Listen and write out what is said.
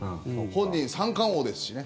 本人、三冠王ですしね。